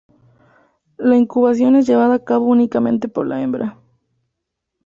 La incubación es llevada a cabo únicamente por la hembra.